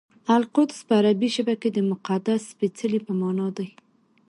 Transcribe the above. القدس په عربي ژبه کې د مقدس سپېڅلي په مانا دی.